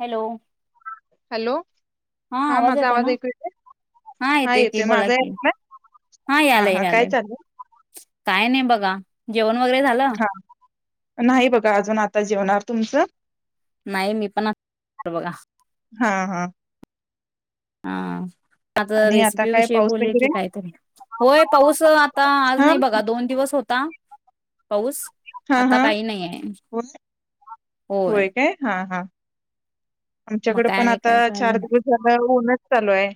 Hello hello हा आवाज माझा येत आहे ना ऐकू येतोय हा येतोय की बोला कि हा हा काय यायलय-यायलय. चालू काय नाही बघा जेवण वगैरे झालं हा नाही बघा अजून, आता जेवणार तुमचं. नाही मी पण बघा हा-हा, हा, आता आणि रेसिपी काय विषयी पाऊस बोले वगैरे की कायतरी होय पाऊस आता आज नाही बघा दोन दिवस होत ता, हा-हा होय काय, हा हा मग आमच्याकडे काय पण नाही आता काय चार दिवस झालं ऊनच चालू आहे,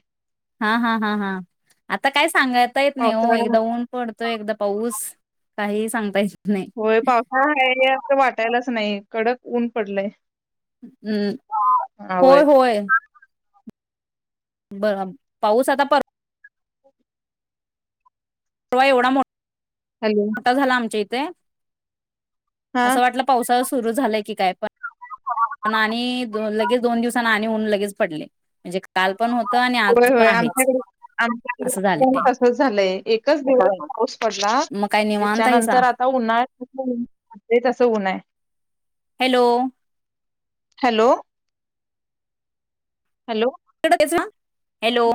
हा-हा-हा-हा आता काय सांगाता येत नाही हो पावसाळा एकदा ऊन पडतोय एकदा पाऊस काही सांगताय, होय पावसा आहे असं वाटत टायलाच नाही कडक ऊन पडलंय, हम्म हा होय होय-होय. बर पाऊस आता पर वाय उडम हॅलो मोठा झाला आमच्या इथ ते हा असं वाटलं पावसा सुरू झालंय की काय पण आणि लगेच दोन दिवसांना आणि लगेच उन पडले म्हणजे काल पण होतं आणि होय आज पण होय आहेच आमच्याक असं आम झालंय तसच झालंय एकच दिवसा पाऊस पडला मग काय निवांत हायसा त्याच्यानंतर आता उन्हाळ तस उन्हाळ हॅलो हॅलो हॅलो सवा हॅलो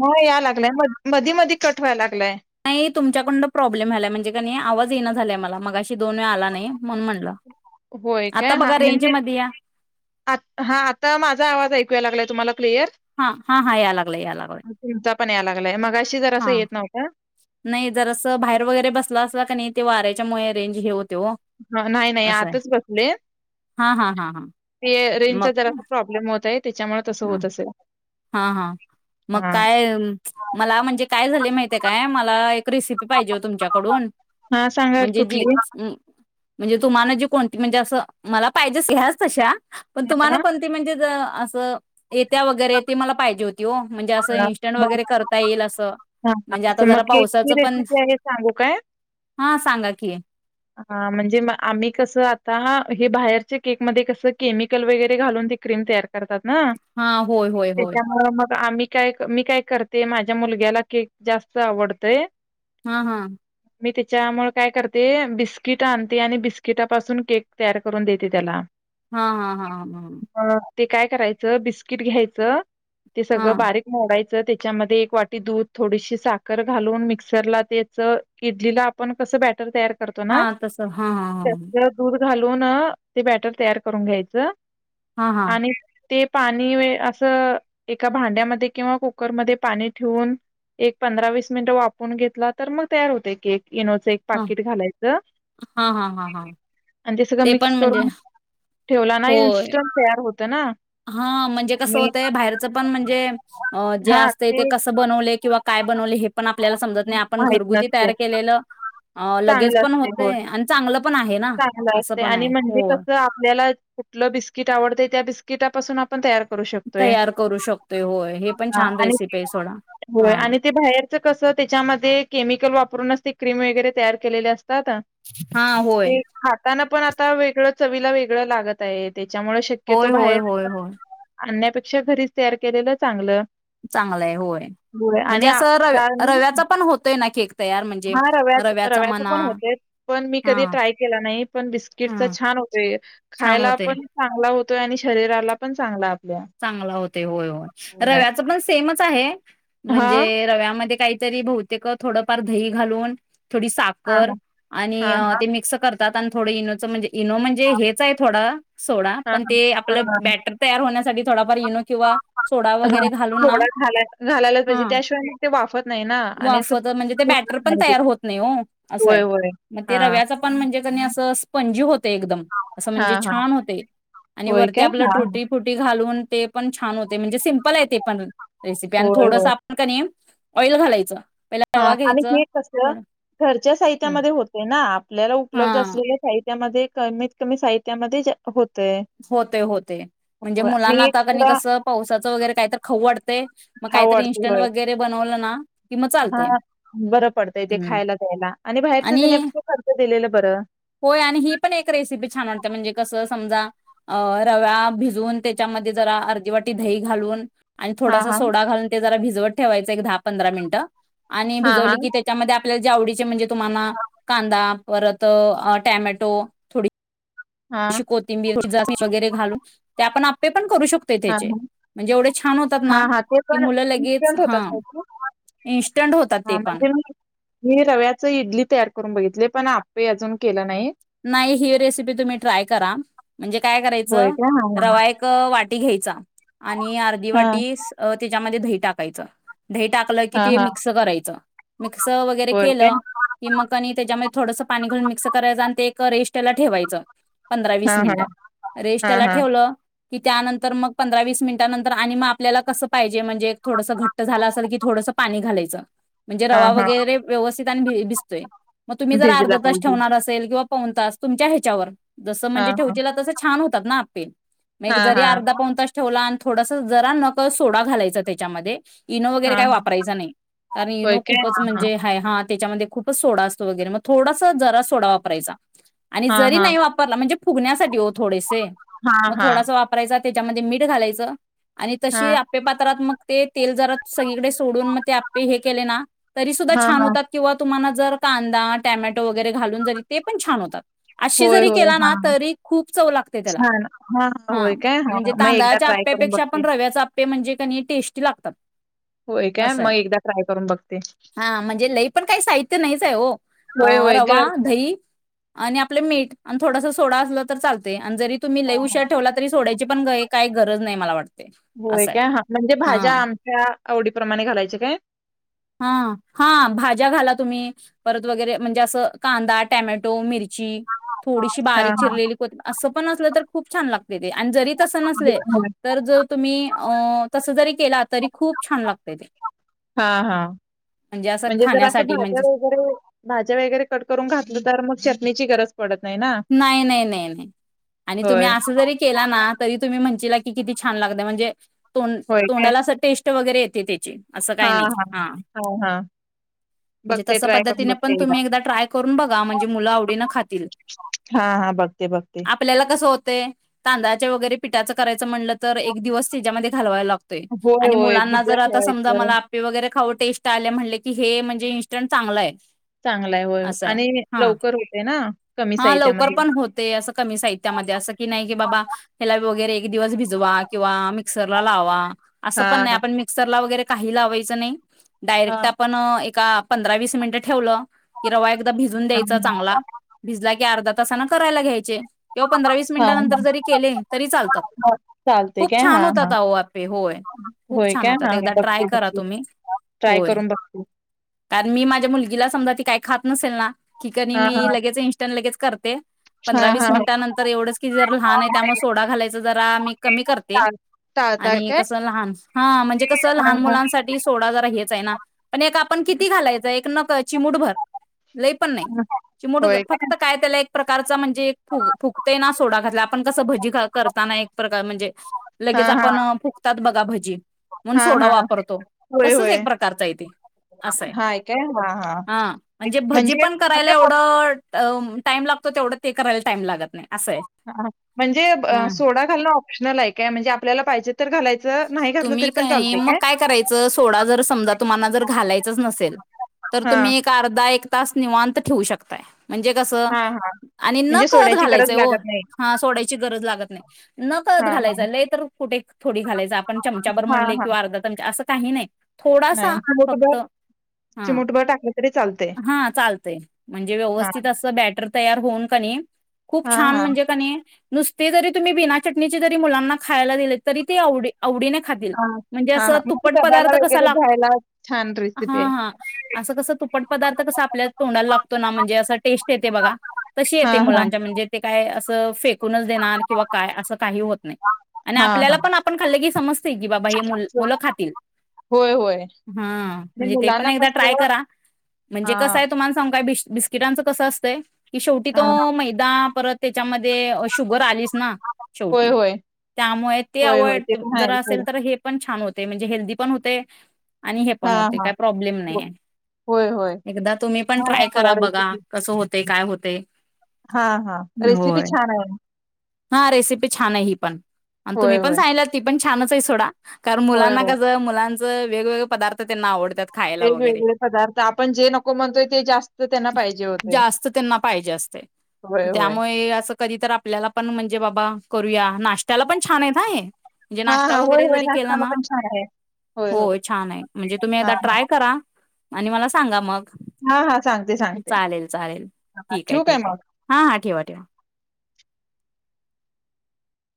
ह या लागलाय म मधी मधी कठवाय लागलाय. तुमच्याकडं प्रॉब्लेम झालाय म्हणजे आज ये झाला मगग होय का आता ह बघा रेंज म्हणजे मध्ये या हा आता माझा आवाज ऐक लागला तुम्हाला? हा हा हा या लागलाय या लागलाय कुमचा पण यायला लागलंय. हा नाही जर असं बाहेर वगैरे बसला असला क नाही ते वाऱ्याच्यामुळे अरेंज हे हो हा नाही नाही असं आहे आताच बसले हा हा हा हा ते मग प्र्म होत त्याच्यामुळे तसं होत असेल हा हा मग हा काय मला म्हणजे काय झाले माहिती आहे काय मला एक रेसिपी पाहिजे तुमच्याकडून हा सांगा म्हणजे कुठली जी हा म्हणजे तुम्हाला जी कोणती म्हणजे असं मला पाहिजे स्याच तशा पण तुम्हाला हा कोणती म्हणजे असं येत्या वगैरे ते मला पाहिजे होते ह म असं ह म्हणजे अस आता मग जरा केकची पावसाचं पण रेसिपी आहे सांगू काय हा सांगा की हा म्हणजे आम्ही कस आता ह हे बाहेरच्या केक मध्ये कसं केमिकल वगैरे घालून ते क्रीम तयार कर करतात ना हा होय होय होय त्याच्यामुळे मग आम् काय मी काय करते माझ्या मुलग्याला केक जास्त आवडतय हम्म हम्म मी त्याच्यामुळे काय करते बिस्किट आणते आणि बिस्किटापासून केक तयार करून देते त्याला हा हा हा हा मग ते काय करायचं बिस्किट घ्यायचं ते हा सगळं बारीक फोडायचं त्याच्यामध्ये एक वाटी दूध, थोडीशी साखर घालून मिक्सरला तेचं ईडलीला आपण कस बॅटर तयार करतो हा ना तसं हा हा हा. त्यातलं दूध घालून ते बॅटर तयार करून घ्यायचं. हा हा. आणि ते पाणी वे असं एका भांड्यामध्ये किंवा कुकरमध्येध्ये पाणी ठेवून, एक पंधरा वीस मिनिट वापरून घेतला, तर मग तयार होतंय केक. ईनोचं एक हा पाकिट घालायचं हा हा हा हा हा. आणि ते सगळं पण मिक्स म्हणजे करून ठेवला ना, इन्स्टंट तयार होतं. ना हा म्हणजे कसं आणि होतंय, बाहेरचंपण म्हणजे अं जे असतंय ते कस बनवलंय किंवा काय बनवलंय हे पण आपल्याला समजत नाही. आपण माहित घरगुती नसते तयार केलेलं लगेच चांगलं पण असते होय होतंय आणि चांगल पण आहे ना, चांगलं असं असतंय पण आणि आहे. म्हणजे हो, कसं आपल्याला कुठलं बिस्किट आवडतंय त्या बिस्किटापासून आ पण तयार करु शकतोय तयार करू शकतोय. होय, हे पण छान आणि रेसिपी आहे सोडा. होय हां, आणि ते बाहेरच कसं त्याच्यामध्ये केमिकल वापरूनच ते क्रीम वगैरे तयार केलेले अस हा होय. ते खाताना पण आता वेगळं चवीला वेगळं लागत आहेत. त्याच्यामुळे होय, शक्यतो होय, होय, बाहेर होय. आणण्यापेक्षा घरीच तयार केलेलं चांगलं. चांगलंय होय. होय म्हणजे आणि असं रव्या रव्याचा पण होतंय ना केक. तयार म्हणजे हा रव्या रव्याचा म्हणा रव्याचंपण होतंयच, पण मी कधी हां, ट्राय केला नाही. पण बिस्किटचा हां, छान होतोय, छान खायला होतंय. पण चांगला हो तोय आणि शरीराला पण चांगला. आपल्या. चांगला होतंय होय होय, रव्याच पण सेम च आहे. हां, म्हणजे रव्यामध्ये काहीतरी बहुतेक थोडंफार दही घालून थोडी हां, साखर आणि हां, हां, ते मिक्स कर तात आणि थोडं इनोचं म्हणजे इनो म्हणजे हेच आहे थोडा सोडा, हां, हां, पण ते हां, आपलं हां, हां. बॅटर तयार होण्या वर इनो किंवा सोडा हां, वगैरे घालून ना, थोडा घालाय घालायलाच हा पाहिजे. त्याशिवाय मग ते वाफत नाही ना आणि असं वापरता म्हणजे पूर्ण ते होत बॅटरपण नाही ते. तयार होत नाही हो असं होय, हाय. होय. ते हां. रव्याचं पण म्हणजे कनी अस स्पणजी होत एकदम अस म्हणजे हां, हां. छान होतय आणि होय वरती काय? आपल हां, हां. टुटी फुटी घालून ते पण छान होते म्हणजे सिम्पल आहे ते पण रेसिपी आणि होय, थोडंस आपण कनी ऑइल घालायच. हा आणि हे कस घरच्या साहित्यामध्ये होते ना आप आपल्याला उपलब्ध हा असलेल्या साहित्यामध्ये कमीत कमी साहित्यामध्ये जे होत होतय होतय म्हणजे मुलांना आणि एक आता कनी तुला कसं पावसाचं वगैरे काय तर खाऊ वाड ते म काहीतरी इंन्स्टंट वगैरे बनवलं ना [inaudible] हा बरं पडतय ते हम्म खायला द्यायला. आणि बाहेरच आणि देण्यापेक्षा घरचच दिलेलं बरं. होय आणि ही पण एक रेसिपी छान वाटते म्हणजे कसं समजा अ रव्या भिजून त्याच्यामध्ये जरा अर्धी वाटी दही घालून. आणि हां, थोडासा हां. सोडा घालून ते जरा भिज वत ठेवायच एक दहा पंधरा मिनटं आणि हां, भिजवली हां. की त्याच्यामध्ये आप आपल्याला जे आवडीचे म्हणजे तुम्हाना हां, कांदा परत अ टॅमॅटो थोडी जशी हां, कोथिंबीर जा वगैरे घालून ते आपण आप्पे पण करू शकतोय त्याचे म्हणजे एवढे छान होतात हा ना हा ते की पण मुलं लगेच इन्स्ट्स हा होतात इन्स्टंट होतात ते पण म्हणजे मी मी रव्याच इडली तयार करून बघितले पण आप पे अजून केलं नाही. नाही ही रेसिपी तुम्ही ट्राय करा. म्हणजे काय होय करायचं का? हां, हां. रवा एक वाटी घ्यायचा आणि अर्धी वाटी ती त्याच्यामध्ये दही टाकायच. दही टाकलं की हां, हां, ते हां. मिक्स करायचं. मिक्स वगैरे होय काय? केलं की म कनी त्याच्याम थोडसं पाणी घालुन मिक्स करायचं आणि ते करइस्टला ठेवायचं. पंधरा हां, वीस मिनिट हां. हां, रेस्टला हां. ठेवलं की त्यानंतर मग पंधरा वीस मिनिटानंतर आणि मग आपल्याला कसं पाहिजे ेड घट्ट झा असे क थोड पाणी घालायचं म्हणजे रवा हां, हां. वगैरे व्यवस्थित भ भसतोय मग तुम्हीर अर्ध भिजला तास पाहिजे. ठेवणार असेल किंवा पण तास तुमच्या ह्याच्यावर जसं म्हणजे हां, हां. ठेवचेला तस छान हो त आपेल म हां, जरी हां. अर्धा पन तस ठेवला थोडस जरा नक सोडा घालायचं त्याच्यामध्ये इनो वगैरे हां, काही हां. वापरायचचा नाही कारण होय इनो काय? खूपच हां, म्हणजे हाय हात त्याच्यामध्ये खूपच सोडा असतो वगैरे मग थोडासा जरा सोडा वापरायचा आणि जरी हां. नाही वापरला म्हणजे फुगण्यासाठी हो थोडेसे हां, हां. हां, मग हां. थोडासा वापरायचा त्याच्यामध्ये मीठ घालायचं आणि तशी हां. आपे पात्रात्मक ते तेल जरा सगळीकडे सोडून मग ते आपे हे केले ना तरी सुद्धा हां, छान हां. होतात किंवा तुम्हाला जर कांदा टॅमॅटो वगैरे घालून जरी ते पण छान होतात असशी होय, जरी होय. केला ना हां. तरी खूप चव लागते त्याला छान. हां, हां. हा होय काय? हां, म्हणजे हां. मग एकदा तांदळाच्या ट्राय करून आपप्यापेक्षा बघते. पण रव्याचे आपे म्हणजे त्यांनी टेस्टी लागतात. होय काय? असंय मग एकदा ट्राय करून बघते. हा म्हणजे लई पण काही साहित्य नाहीच ओ होय, अ होय. रवा घर दही- आणि आपलं मीठ आणि थोडस सोडा असलं तर चालतया. जरी तुम्ही लई हां, उशा हां. ठेवला त सोडाची- पण काही गरज नाही मला वाटत. होय काय ह म्हणजे भाज्या आमच्या- आवडी प्ररमाणे घालायचे काय- हा हा भाज्या घाला तुम्ही परत वगैरे म्हणजे असं कांदा, टॅमॅटो, मिरची- थोडीशी हां, बारीक हां. चिरलेली कोथं- पण असलं तर खूप छान लागते ते जरी- तस नसते होय, होय. तर जर तुम्ही तसं जरी- केला तरी खूप छान लागते ते. हां, हां. असं म्हणजे जर असं खाण्यासाठी भाज्या म्हणजे वगैरे भाज्या वगैरे कट करून घातलं तर मग चटनीची गरज- पडत नाही ना नाही नाही नाही नाही आणि तुम्ही होय असं जरी केला ना तरी तुम्ही म्हणे- केला किती छान लाग म्हणजे- तोंड होय काय तोंडाला टेस्ट- वगैरे येते त्याची- असं काही हां नाही हां हा हां हां म्हणजे बघते तसं ट्राय करून पद्धतीने बघते पण तुम्ही एकदा ट्राय करून बघा म्हणजे मुलं आवडीनं खातील. हा हा बघते बघते. होते तांद्याळाच्या वगैरे पिटाचं करायचं म्हल- तर एक दिवस त्याच्या घालवायला लागतोय. होय आणि होय मुलांना भिजत जर आता समजा ठेवायचं मला आपे वगैरे खाउ- टेस्ट आल्या म्हणले की हे म्हणजे इंस्टंट चांगलंय. चांगलाय होय आणि लवकर होते ना कमी- हा लवकर साहित्यामध्ये पण होते असं कमी साहित्यामध्ये असं की नाही की बाबा ह्याला वगैरे- कीती दिवस भीज- वा किंवा- मिक्सरलाला लावा. असं पण हां नाही हां आपण मिक्सरला वगैरे- काही लावायचं नाही. हां डायरेक्ट आपण एक- का पंधरा वीस मिनिट ठेवलं की रवा- भिजून हां द्यायचा चांगला भीजलाकी- अर्धा तान कयला घ्यायचे किंवा पंधरा वस मिनिट हां नंतर हां जरी केले तरी चालतात हां, चालते खूप काय छान हां होतात हां आपे होय खूप होय छान काय होतात हां एकदा ट्राय बघते करा बघते तुम्ही ट्राय होय करून बघते कारण मी माझ्या मुलगीला समजा काय खात नसल ना की क हां मी हां लगेच इ लगेच करते हा पंधरा हा वीस हा. मिनिटानंतर एवढं की जर लहान आहे त्यामुळे सोडा घालायच जरा मी कमी करते चाल टाळताय आणि काय? कस लहान हा म्हणजे कस हा लहान हा. मुलांसाठी सोडा जरा आहे ना पण एक आपण किती घालायचं एक ची मुठभर लई पण नाही चिमड होय काय? फक्त एक प्रकार म्हणजे अ फुग फुगते ना सोडा घातल्यावर आपण कसे भजी करताना एक प्रकार म्हणजे हा लगेच हा आपण फुगतात बघ गाभजी म्हणजे हा सोडा हा वापरतो होय तसच होय. एक प्रकारच आहेेते असंय हाय काय हा हा ह म्हणजे भजी पण करायला एवढं टाईम लागतो तेवढं ते करायला टाईम लागत नाही असं आहे. ह म्हणजे हा सोडा घालणं ऑप्शनल आहे काय म्हणजे आपल्याला पाहिजे तर घालायच तुम्ही मग काय करायच सोड जर समजा तुम्हा ज घालायच नसेल त हा अर् एक तास निवांत ठेू शकताय म्हणजे कसं हा हा आणि न म्हणजे कळत सोड्याची गरज घालायचंय लागत नाही. हा सोडायची गरज लागत नाही न कळत हा हा. घालायचंय लय तर कुठे थोडी घालायच ण चमचावरर हा म्हणले हा किंवा अर्ा चमचा असं काही नाही थोडासा नाही फक्त हा चिमूटभर टाकलं तरी चालतंय. हा चालतय म्हणजे हां. व्यवस्थित अस बॅटर तयार होऊन पनी खूप हां, छान हां, म्हणजे कने नुसते जरी तुम्ही बिना चटणीचे जरी मुलांना खायला दिले तरी ते आवडे आवडीने खात हां, म्हणजे अस हां, हां. मग तुपट डब्याला पदार्थ कसा वगैरे लागो घ्यायला छान हा रेसिपी आहे. हा अस कस तुपट पदार्थ कस आपल्या तोंडाला लागतो ना म्हणजे अस टेस्ट येते बघा त येते हां, हां. मुलांच्या म्हणजे काय स फेक दे क का अस का होत नाही हां, आपल्याला हां. पण आप णण होय, होय. आणि मुलांना कसं हां, का बिस्किटांचं कसं असत की शेवटी तो हां. मैदा परत त्याच्यामध्ये शुगर आली ना होय, शेवटी होय. त्यामुळे होय, तेव होय. ते पण जरा आहे असे सोडा. तर पण छान हो म्हणजे हेल्दी पण होते. आणि हे पण हां, होते हां. काय प्रॉब्लेम हो नाही आहे होय, होय. एकदा तुम्ही पण छान ट्राय आहे करा सोडा बघा रेसिपी. कसं होते काय होते. ते हां, हां. रेसिपी होय छान आहे. हा रेसिपी छान ही पण होय, तुम्ही पण होय. सांगला ण छानच आहे सोडा कारण होय, मुलांना होय. कसं मुलांच वेगवेग पद् त्यांना आवडतात खायला वगैरे वेगवेगळे पदार्थ आपण जे नको म्हणतोय ते जास्त त्यांना पाहिजे होते जास्त त्यांना पाहिजे असते होय होय त्यामुळे असं कधी तर आपल्याला पण म्हणजे बाबा करूया नाश्त्याला पण छान आहेतय. म्हणे हा नाश्ता हा होय वगैरे होय जरी केला नाश्ताला ना पण छान आहे होय हो होय छान आहे म्हणजे तुम्ही हा आ हा ट्राय करा आणि मला सांगा मग.. हा हा सांगते सांगते चालेल चालेल हा ठीक आहे ठेवू काय ठीक आहे मग हा हा ठेवा ठेवा..